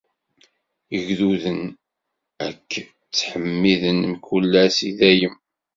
Igduden ad k-ttḥemmiden mkul ass, i dayem.